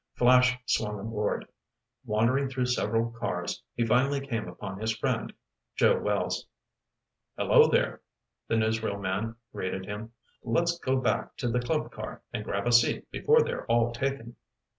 Flash swung aboard. Wandering through several cars, he finally came upon his friend, Joe Wells. "Hello, there," the newsreel man greeted him. "Let's go back to the club car and grab a seat before they're all taken."